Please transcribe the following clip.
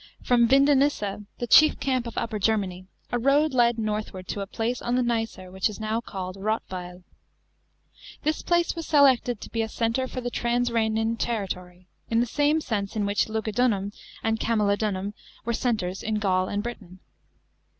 From Vin donissa, the chief camp of Upper Germany, a road led northward to a place on the Nicer which is now called Rottweil. This place was selected to be a centre for the trans Khenane territory, in the same sense in which Lugudunum and Camalodunum were centres in Gaul and Britain.